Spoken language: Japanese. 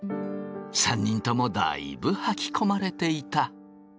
３人ともだいぶはきこまれていた。